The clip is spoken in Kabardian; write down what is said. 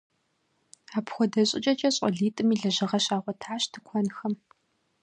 Апхуэдэ щӏыкӏэкӏэ щӏалитӏми лэжьыгъэ щагъуэтащ тыкуэнхэм.